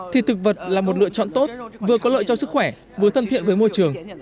thì thực vật là một lựa chọn tốt vừa có lợi cho sức khỏe vừa thân thiện với môi trường